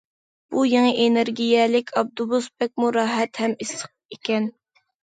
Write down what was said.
بۇ يېڭى ئېنېرگىيەلىك ئاپتوبۇس بەكمۇ راھەت ھەم ئىسسىق ئىكەن.